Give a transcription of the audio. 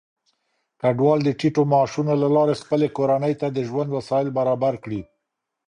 کډوال د ټيټو معاشونو له لارې خپلې کورنۍ ته د ژوند وسايل برابر کړي.